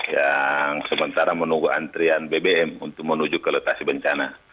yang sementara menunggu antrian bbm untuk menuju ke letasi bencana